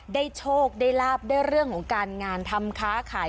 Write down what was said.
โชคได้ลาบได้เรื่องของการงานทำค้าขาย